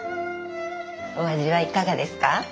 お味はいかがですか？